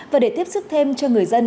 và để tiếp xúc thêm cho người dân